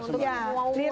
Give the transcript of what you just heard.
untuk semua umur